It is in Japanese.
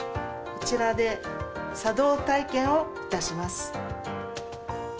こちらで茶道体験をいたします。